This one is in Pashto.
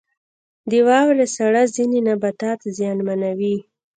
• د واورې ساړه ځینې نباتات زیانمنوي.